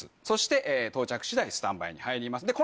そして到着次第スタンバイに入ります。